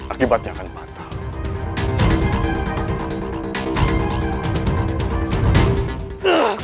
akibatnya akan patah